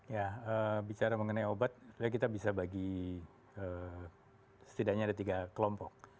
ya bicara mengenai obat sebenarnya kita bisa bagi setidaknya ada tiga kelompok